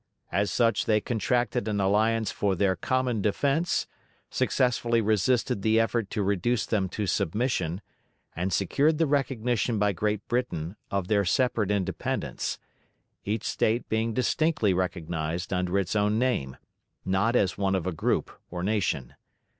As such they contracted an alliance for their "common defense," successfully resisted the effort to reduce them to submission, and secured the recognition by Great Britain of their separate independence; each State being distinctly recognized under its own name not as one of a group or nation.